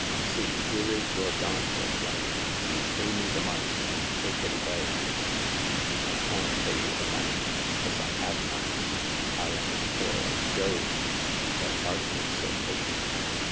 See, here is your Dante, young man. Pay me the money, and take it away." I can't pay you the money, as I have none. I am as poor as Job, but hardly so patient."